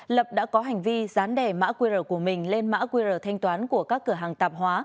lập đã có hành vi dán đè mã qr của mình lên mã qr thanh toán của các cửa hàng tạp hóa